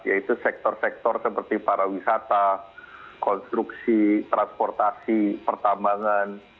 yaitu sektor sektor seperti pariwisata konstruksi transportasi pertambangan